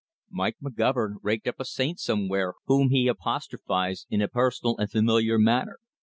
Mike McGovern raked up a saint somewhere whom he apostrophized in a personal and familiar manner.